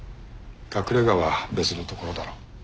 隠れ家は別のところだろう。